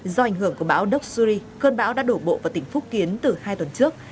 do ảnh hưởng của bão doxury cơn bão đã đổ bộ vào tỉnh phúc kiến từ hai tuần trước